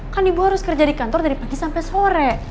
kan ibu harus kerja di kantor dari pagi sampai sore